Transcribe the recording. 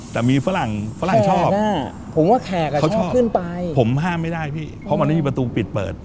แต่มีฝรั่งฝรั่งชอบผมห้ามไม่ได้พี่เพราะมันมีประตูปิดเปิด